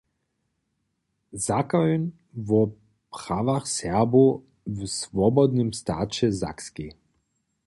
Zakoń wo prawach Serbow w Swobodnym staće Sakskej